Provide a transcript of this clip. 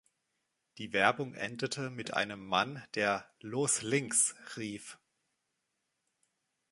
Die Werbung endete mit einem Mann, der „Los Links!“ rief.